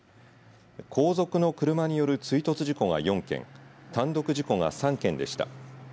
後続の車による追突事故が４件単独事故が３件でした。